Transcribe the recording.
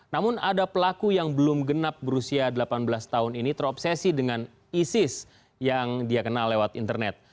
namun ada pelaku yang belum genap berusia delapan belas tahun ini terobsesi dengan isis yang dia kenal lewat internet